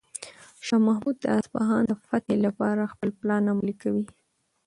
شاه محمود د اصفهان د فتح لپاره خپل پلان عملي کوي.